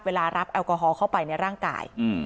เวลารับแอลกอฮอล์เข้าไปในร่างกาย